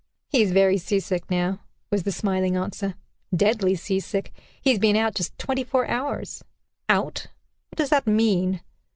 "He is very sea sick now," was the smiling answer, "deadly sea sick. He has been out just twenty four hours." "Out? What does that mean?"